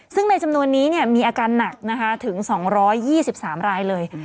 ซึ่งในจำนวนนี้มีอาการหนักนะคะถึง๒๒๓รายเลย